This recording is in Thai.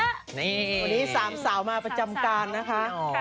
วันนี้๓สาวมาประจำการนะคะ